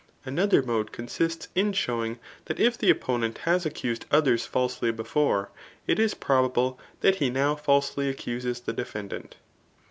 Another mode consists in showing that if the opponent has accused others falsely before, it is probable that he now fialsely accuses the defendant.